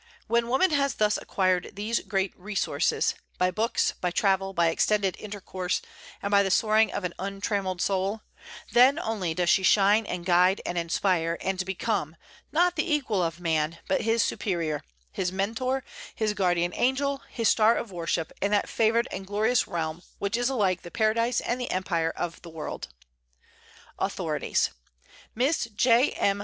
When woman has thus acquired these great resources, by books, by travel, by extended intercourse, and by the soaring of an untrammelled soul, then only does she shine and guide and inspire, and become, not the equal of man, but his superior, his mentor, his guardian angel, his star of worship, in that favored and glorious realm which is alike the paradise and the empire of the world! AUTHORITIES. Miss J. M.